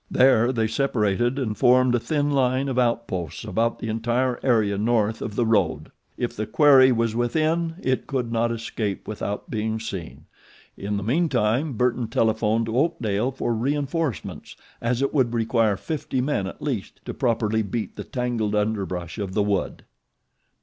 There they separated and formed a thin line of outposts about the entire area north of the road. If the quarry was within it could not escape without being seen. In the mean time Burton telephoned to Oakdale for reinforcements, as it would require fifty men at least to properly beat the tangled underbrush of the wood.